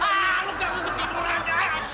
ah lu kaget kaget